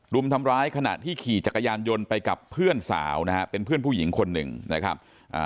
รุมทำร้ายขณะที่ขี่จักรยานยนต์ไปกับเพื่อนสาวนะฮะเป็นเพื่อนผู้หญิงคนหนึ่งนะครับอ่า